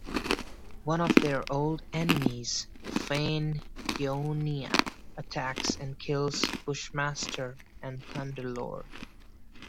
One of their old enemies, Fain Y'Onia, attacks and kills Bushmaster and Thunderlord.